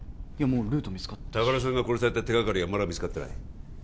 いやもうルート見つかったし高田さんが殺された手がかりはまだ見つかってない